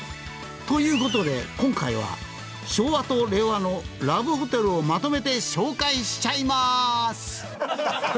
「ということで今回は昭和と令和のラブホテルをまとめて紹介しちゃいまーす！」